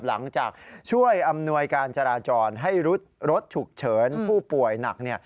หลังจากช่วยอำนวยการจราจรให้รถฉุกเฉินผู้ป่วยหนัก